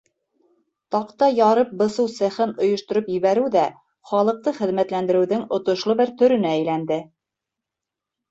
Таҡта ярып-бысыу цехын ойоштороп ебәреү ҙә халыҡты хеҙмәтләндереүҙең отошло бер төрөнә әйләнде.